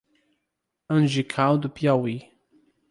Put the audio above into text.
Angical do Piauí